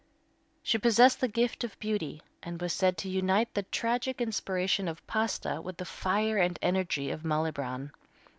She possessed the gift of beauty, and was said to unite the tragic inspiration of Pasta with the fire and energy of Malibran.